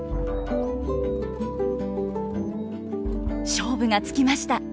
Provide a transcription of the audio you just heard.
勝負がつきました。